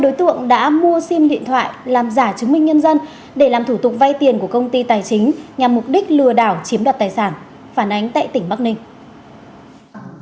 đối tượng đã mua sim điện thoại làm giả chứng minh nhân dân để làm thủ tục vay tiền của công ty tài chính nhằm mục đích lừa đảo chiếm đoạt tài sản phản ánh tại tỉnh bắc ninh